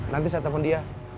nanti saya telepon dia